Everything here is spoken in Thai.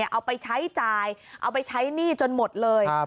เอาไปใช้จ่ายเอาไปใช้หนี้จนหมดเลย